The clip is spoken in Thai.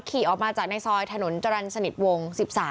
ขี่ออกมาจากในซอยถนนจรรย์สนิทวง๑๓